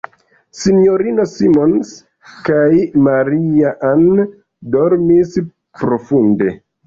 S-ino Simons kaj Maria-Ann dormis profunde.